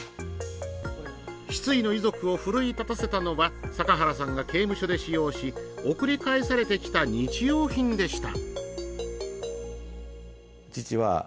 失意の遺族を奮い立たせたのは阪原さんが刑務所で使用し送り返されてきた日用品でした。